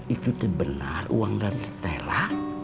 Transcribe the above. itu benar uang dari tera